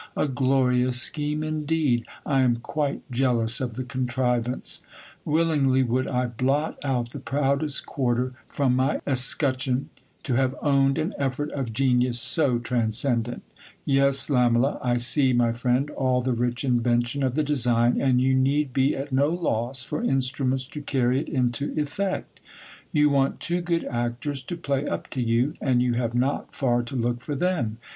a glorious scheme indeed ! I am quite jealous of the contrivance. Willingly would I blot out the proudest quarter from my escutcheon, to have owned an effort of genius so transcendent Yes, Lamela, I see, my friend, all the rich invention of the design, and you need be at no loss for instruments to carry it into effect You want two good actors to play up to you ; and you have not far to look for them.